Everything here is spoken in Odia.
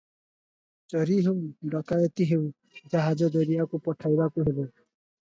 ଚୋରି ହେଉ, ଡକାଏତି ହେଉ, ଜାହାଜ ଦରିଆକୁ ପଠାଇବାକୁ ହେବ ।